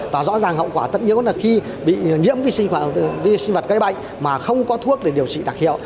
và rõ ràng hậu quả tất yếu là khi bị nhiễm vi sinh vật gây bệnh mà không có thuốc để điều trị đặc hiệu